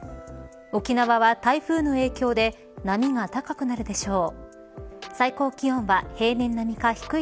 沖縄は台風の影響で波が高くなるでしょう。